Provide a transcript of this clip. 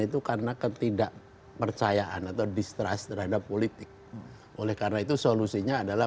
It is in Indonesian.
itu karena ketidakpercayaan atau distrust terhadap politik oleh karena itu solusinya adalah